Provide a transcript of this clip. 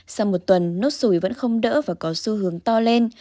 sau một tuần nốt sủi vẫn không đỡ và có xu hướng to lên